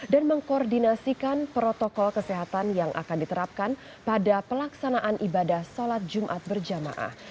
dan mengkoordinasikan protokol kesehatan yang akan diterapkan pada pelaksanaan ibadah sholat jumat berjamaah